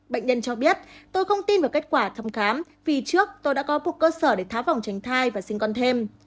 bệnh nhân cho biết tôi không tin vào kết quả thăm khám vì trước tôi đã có một cơ sở để thả vòng tránh thai và sinh con thêm